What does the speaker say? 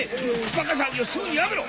バカ騒ぎをすぐにやめろ！